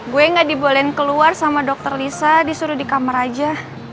gue gak dibolehin keluar sama dokter lisa disuruh di kamar aja